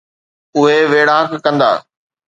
اهي ويڙهاڪ ڪندا